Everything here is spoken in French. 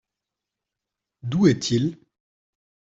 D’où est-il ?